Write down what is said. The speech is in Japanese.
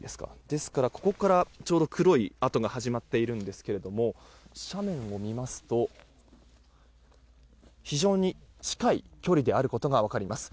ですから、ここからちょうど黒い跡が始まっているんですけれども斜面を見ますと非常に近い距離であることが分かります。